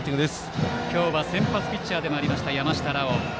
今日は先発ピッチャーでもあった山下羅馬。